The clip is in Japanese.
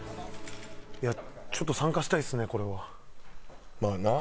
いやちょっと参加したいですねこれは。まあな。